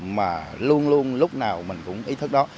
mà luôn luôn lúc nào mình cũng ý thức đó